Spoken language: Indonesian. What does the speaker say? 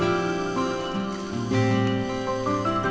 ini gue yang kenal